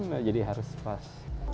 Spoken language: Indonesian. nah jadi harus pas